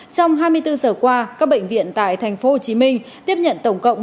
trong hai mươi bốn giờ qua các bệnh viện tại tp hcm tiếp nhận tổng cộng